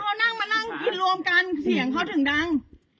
เขานั่งมานั่งกินรวมกันเสียงเขาถึงดัง